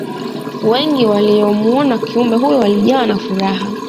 wengi waliyomuona kiumbe huyo walijawa na furaha